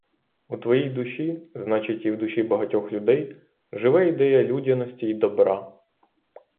У твоїй душі, значить, і в душі багатьох людей живе ідея людяності й добра.